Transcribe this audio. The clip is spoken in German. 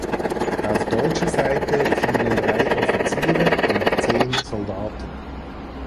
Auf deutscher Seite fielen drei Offiziere und zehn Soldaten.